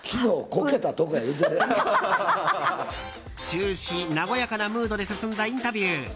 終始、和やかなムードで進んだインタビュー。